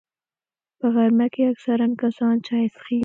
په غرمه کې اکثره کسان چای څښي